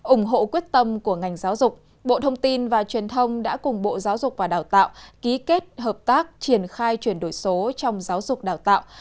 ủng hộ quyết tâm của ngành giáo dục bộ thông tin và truyền thông đã cùng bộ giáo dục và đào tạo ký kết hợp tác triển khai chuyển đổi số trong giáo dục đào tạo